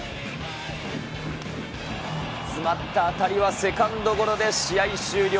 詰まった当たりはセカンドゴロで試合終了。